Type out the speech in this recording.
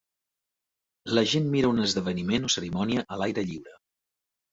La gent mira un esdeveniment o cerimònia a l'aire lliure.